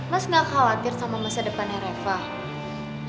mas gak khawatir sama masa depannya reva